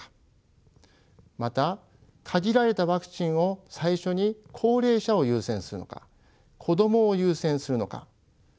また限られたワクチンを最初に高齢者を優先するのか子供を優先するのか。